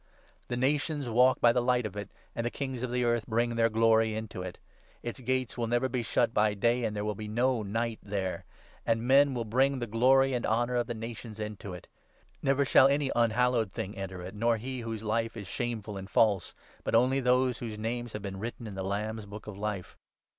' The nations walk by the light of it ; 24 and the kings of the earth bring their glory into it. Its gates 25 will never be shut by day,' and there will be no night there. And men will bring the glory and honour of the nations into 26 it. ' Never shall any unhallowed thing enter it,' nor he whose 27 life is shameful and false, but only ' those whose names have been written in the Lamb's Book of Life.'